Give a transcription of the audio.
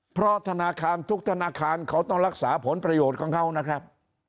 เพราะธนาคารทุกธนาคารเขาต้องรักษาผลประโยชน์ของเขานะครับ